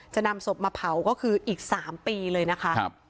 จะนำศพมาเผาก็คืออีก๓ปีเลยนะคะ